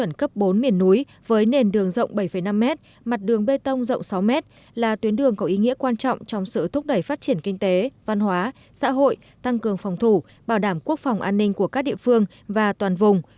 đường cấp bốn miền núi với nền đường rộng bảy năm m mặt đường bê tông rộng sáu m là tuyến đường có ý nghĩa quan trọng trong sự thúc đẩy phát triển kinh tế văn hóa xã hội tăng cường phòng thủ bảo đảm quốc phòng an ninh của các địa phương và toàn vùng